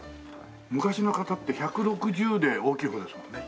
昔の方って１６０で大きい方ですもんね。